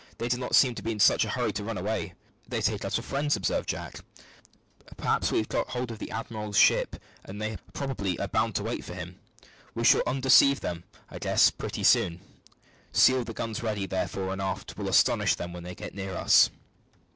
They do not seem to be in such a hurry to run away." "They take us for friends," observed Jack. "Perhaps we have got hold of the admiral's ship, and they probably are bound to wait for him. We shall undeceive them, I guess, pretty soon. See all the guns ready therefore and aft. We'll astonish them when they get near us."